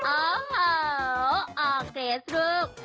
โอ้โหโอเคสลูก